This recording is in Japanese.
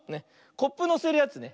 コップのせるやつね。